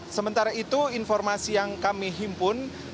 sementara itu informasi yang kami himpun